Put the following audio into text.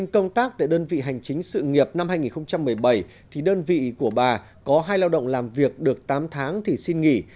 công tác tại đơn vị hành chính sự nghiệp năm hai nghìn một mươi bảy thì đơn vị của bà có hai lao động làm việc được tám tháng thì xin nghỉ